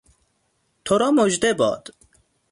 تو را مژده باد!